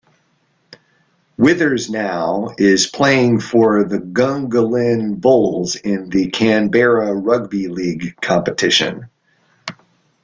Withers now, is playing for the Gungahlin Bulls in the Canberra Rugby League Competition.